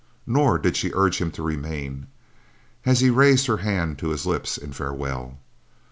Nor did she urge him to remain, as he raised her hand to his lips in farewell.